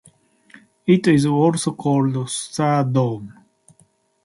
It is also called Star Dome.